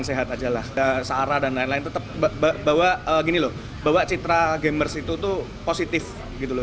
sehat ajalah dan sarah dan lain lain tetep bahwa gini loh bahwa citra gamers itu tuh positif gitu